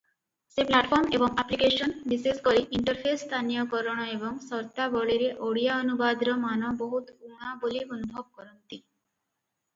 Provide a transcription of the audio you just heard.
ସେ ପ୍ଲାଟଫର୍ମ ଏବଂ ଆପ୍ଲିକେସନ, ବିଶେଷକରି ଇଣ୍ଟରଫେସ୍ ସ୍ଥାନୀୟକରଣ ଏବଂ ସର୍ତ୍ତାବଳୀରେ ଓଡ଼ିଆ ଅନୁବାଦର ମାନ ବହୁତ ଊଣା ବୋଲି ଅନୁଭବ କରନ୍ତି ।